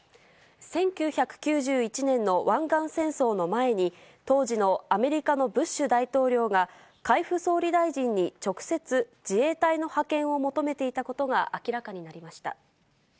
１９９１年の湾岸戦争の前に、当時のアメリカのブッシュ大統領が海部総理大臣に直接、自衛隊の派遣を求めていたことが明らかになりました。